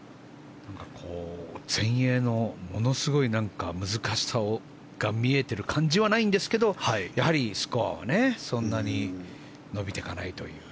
全英のものすごい難しさが見えてる感じはないんですがやはりスコアはそんなに伸びていかないという。